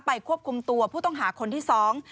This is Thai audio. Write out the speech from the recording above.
ควบคุมตัวผู้ต้องหาคนที่สอง